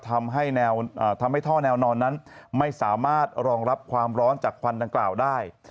ทำให้ท่อแนวนอนนั้นไม่สามารถรองรับความร้อนจากควันดังกล่าวได้